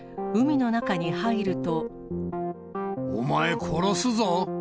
お前、殺すぞ。